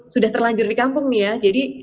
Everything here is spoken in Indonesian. sudah terlanjur di kampung nih ya jadi